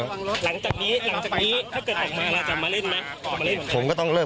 หลังจากนี้หลังจากนี้ถ้าเกิดออกมาเราจะมาเล่นไหมออกมาเล่นผมก็ต้องเลิก